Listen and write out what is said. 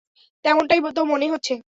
তেমনটাই তো মনে হচ্ছে।